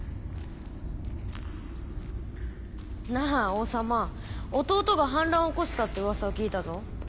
王様弟が反乱を起こしたって噂を聞いたぞ。